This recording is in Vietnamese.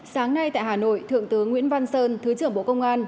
sáng nay tại hà nội thượng tướng nguyễn văn sơn thứ trưởng bộ công an